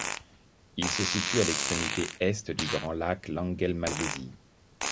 Il se situe à l'extrémité est du grand lac Längelmävesi.